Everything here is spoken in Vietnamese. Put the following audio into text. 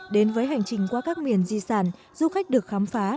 đến với hành trình qua các miền di sản du khách được khám phá